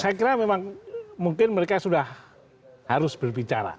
saya kira memang mungkin mereka sudah harus berbicara